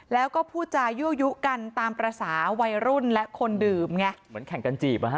แล้วก็พูดจายั่วยุกันตามภาษาวัยรุ่นและคนดื่มไงเหมือนแข่งกันจีบอ่ะฮะ